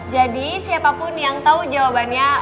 jadi siapapun yang tau jawabannya